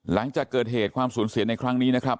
หลังจากเกิดเหตุความสูญเสียในครั้งนี้นะครับ